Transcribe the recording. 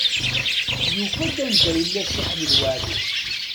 Yufa-d anda yella Si Ḥmed Waɛli.